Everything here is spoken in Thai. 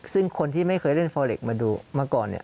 ซึ่งคนที่ไม่เคยเล่นฟอเล็กมาดูมาก่อนเนี่ย